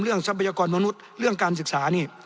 ทรัพยากรมนุษย์เรื่องการศึกษานี่